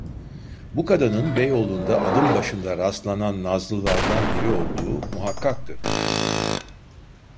Bu kadının Beyoğlu’nda adım başında rastlanan nazlılardan biri olduğu muhakkaktı.